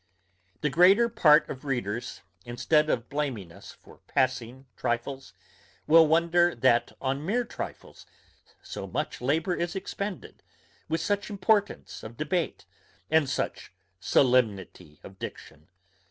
The greater part of readers, instead of blaming us for passing trifles, will wonder that on mere trifles so much labour is expended, with such importance of debate, and such solemnity of diction.